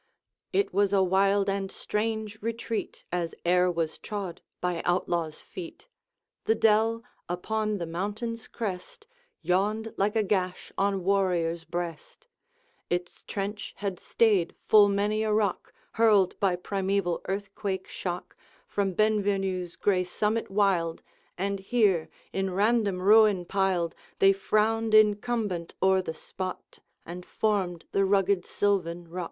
It was a wild and strange retreat, As e'er was trod by outlaw's feet. The dell, upon the mountain's crest, Yawned like a gash on warrior's breast; Its trench had stayed full many a rock, Hurled by primeval earthquake shock From Benvenue's gray summit wild, And here, in random ruin piled, They frowned incumbent o'er the spot And formed the rugged sylvan "rot.